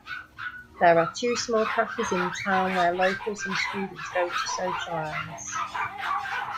There are two small cafes in town where locals and students go to socialize.